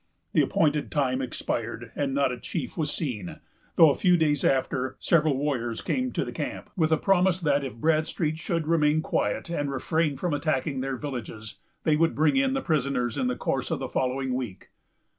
The appointed time expired, and not a chief was seen; though, a few days after, several warriors came to the camp, with a promise that, if Bradstreet would remain quiet, and refrain from attacking their villages, they would bring in the prisoners in the course of the following week.